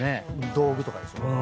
道具とかでしょ。